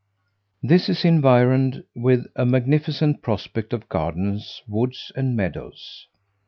This is environed with a magnificent prospect of gardens, woods, and meadows.